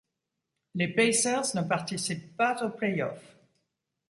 Les Pacers ne participent pas aux playoffs.